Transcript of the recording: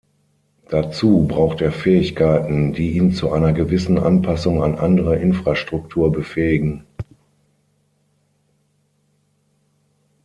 Dazu braucht er Fähigkeiten, die ihn zu einer gewissen Anpassung an andere Infrastruktur befähigen.